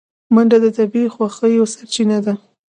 منډه د طبیعي خوښیو سرچینه ده